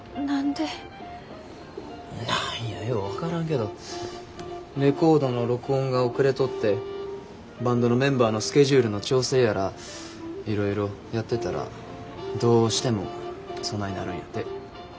何やよう分からんけどレコードの録音が遅れとってバンドのメンバーのスケジュールの調整やらいろいろやってたらどうしてもそないなるんやて。